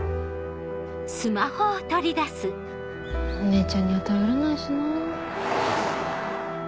お姉ちゃんには頼れないしなぁ。